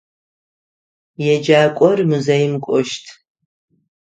Еджакӏор музеим кӏощт.